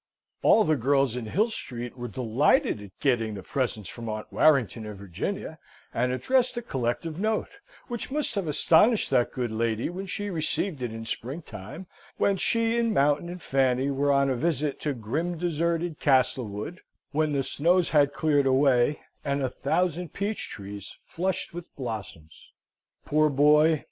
All the girls in Hill Street were delighted at getting the presents from Aunt Warrington in Virginia and addressed a collective note, which must have astonished that good lady when she received it in spring time, when she and Mountain and Fanny were on a visit to grim deserted Castlewood, when the snows had cleared away and a thousand peach trees flushed with blossoms. "Poor boy!"